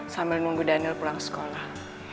sambil nunggu daniel pulang sekolah